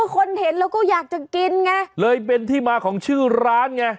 คนเห็นแล้วก็อยากจะกินไงเลยเป็นที่มาของชื่อร้านไง